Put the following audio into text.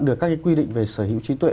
được các cái quy định về sở hữu trí tuệ